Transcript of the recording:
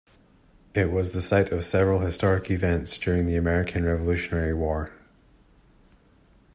It was the site of several historic events during the American Revolutionary War.